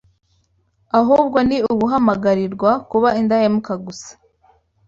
Ahubwo ni uguhamagarirwa kuba indahemuka gusa.